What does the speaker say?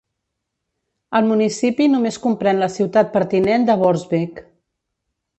El municipi només comprèn la ciutat pertinent de Borsbeek.